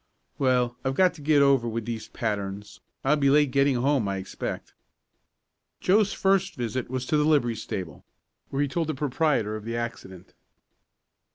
Well, I've got to get over with these patterns. I'll be late getting home, I expect." Joe's first visit was to the livery stable, where he told the proprietor of the accident.